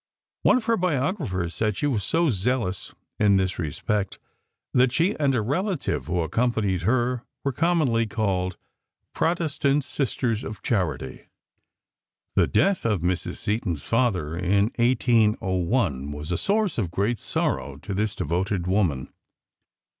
One of her biographers says she was so zealous in this respect "that she and a relative who accompanied her were commonly called Protestant Sisters of Charity." The death of Mrs. Seton's father in 1801 was a source of great sorrow to this devoted woman.